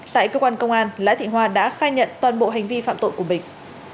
tại cơ quan công an lã thị hoa đã khai nhận toàn bộ hành vi phạm tội của bình